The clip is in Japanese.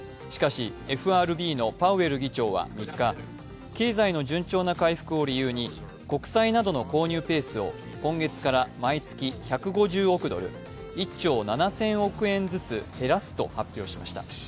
しかしＦＲＢのパウエル議長は３日、経済の順調な回復を理由に国債などの購入ペースを今月から毎月１５０億ドル＝１兆７０００億円ずつ減らすと発表しました。